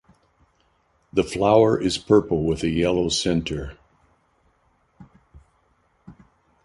The flower is purple with a yellow center.